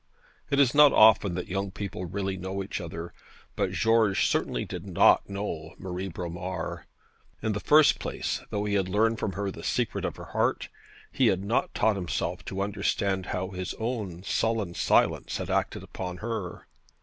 It is not often that young people really know each other; but George certainly did not know Marie Bromar. In the first place, though he had learned from her the secret of her heart, he had not taught himself to understand how his own sullen silence had acted upon her.